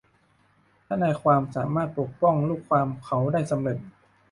ทนายความสามารถปกป้องลูกความเขาได้สำเร็จ